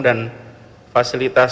dan fasilitas umum